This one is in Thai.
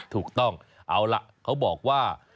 ถูกต้องเอาล่ะเขาบอกว่า